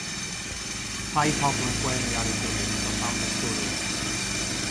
Rhai pobl yn gwenu ar ei gilydd dros ambell gwrw.